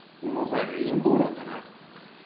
もはや陰謀論だな。